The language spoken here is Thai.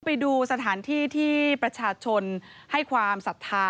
ไปดูสถานที่ที่ประชาชนให้ความศรัทธา